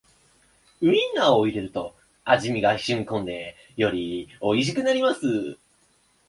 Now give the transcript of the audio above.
ウインナーを入れると味がしみこんでよりおいしくなります